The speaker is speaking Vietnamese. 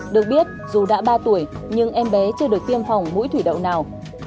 được biết dù đã ba tuổi nhưng em bé chưa được tiêm phòng mũi thủy đậu nào